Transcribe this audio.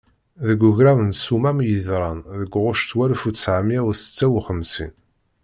Deg ugraw n Ssumam i yeḍran deg ɣuct walef u ttɛemya u setta u xemsin.